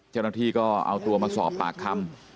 เจ้าหน้าที่ก็เอาตัวมาสอบปากคำ